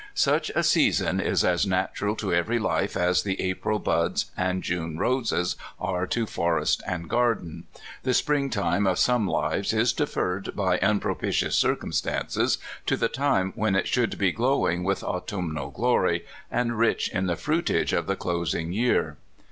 Such a season is as natural to every life as the April buds and June roses are to fprest and garden. The spring time of some lives is deferred by impropi tious circumstance to the time when it should be glowing with autumnal glory, and rich in the fruit age of the closing year.